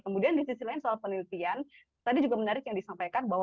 kemudian di sisi lain soal penelitian tadi juga menarik yang disampaikan bahwa